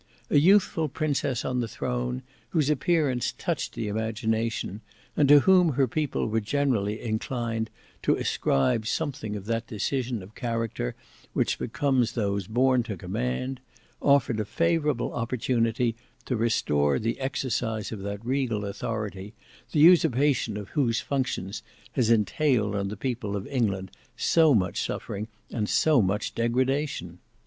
A youthful princess on the throne, whose appearance touched the imagination, and to whom her people were generally inclined to ascribe something of that decision of character which becomes those born to command, offered a favourable opportunity to restore the exercise of that regal authority, the usurpation of whose functions has entailed on the people of England so much suffering and so much degradation.